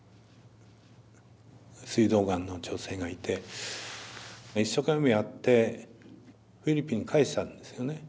すい臓がんの女性がいて一生懸命やってフィリピン帰したんですよね。